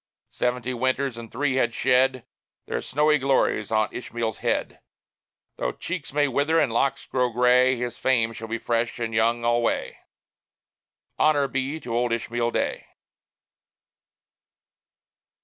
Seventy winters and three had shed Their snowy glories on Ishmael's head. Though cheeks may wither and locks grow gray, His fame shall be fresh and young alway Honor be to old Ishmael Day!